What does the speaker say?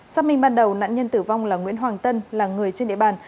xác minh ban đầu nạn nhân tử vong là nguyễn hoàng tân là người trên địa bàn